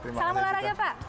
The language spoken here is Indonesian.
terima kasih juga